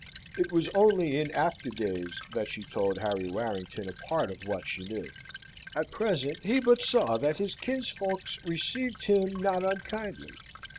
It was only in after days that she told Harry Warrington a part of what she knew. At present he but saw that his kinsfolks received him not unkindly.